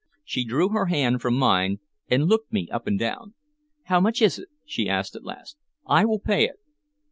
She drew her hand from mine, and looked me up and down. "How much is it?" she asked at last. "I will pay it."